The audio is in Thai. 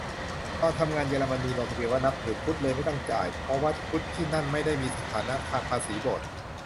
ตอนทำงานเยอรมนี ลงทะเบียนว่านับถือพุทธ เลยไม่ต้องจ่าย เพราะวัดพุทธที่นั่นไม่ได้มีสถานะทางภาษีโบสถ์